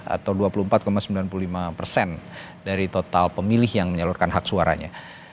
atau dua puluh empat sembilan puluh lima persen dari total pemilih yang menyalurkan hak suaranya